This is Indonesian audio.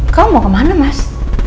kamu mau kemana mas